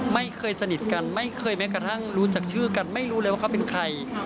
ไม่เคยสนิทกันไม่เคยแม้กระทั่งรู้จักชื่อกันไม่รู้เลยว่าเขาเป็นใคร